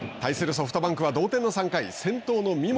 ソフトバンクは同点の３回先頭の三森。